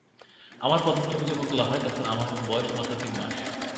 আমার প্রথম ছবি যখন তোলা হয়, তখন আমার বয়স মাত্র তিন মাস।